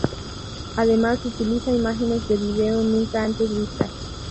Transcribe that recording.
Además, utiliza imágenes de video nunca antes vistas.